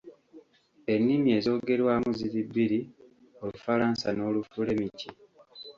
Ennimi ezoogerwamu ziri bbiri Olufalansa n'Olufulemiki.